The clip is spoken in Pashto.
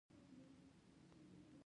باسواده ښځې د کورنۍ اقتصاد پیاوړی کوي.